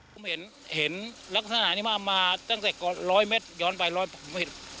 ผมเห็นลักษณะนี้มามาตั้งแต่ก่อน๑๐๐เมตรย้อนไป๑๐๐เมตร